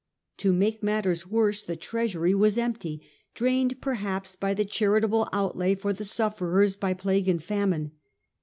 To make matters worse, the treasury was empty, drained perhaps by the charitable outlay for the sufferers by plague and famine.